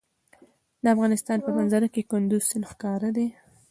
د افغانستان په منظره کې کندز سیند ښکاره دی.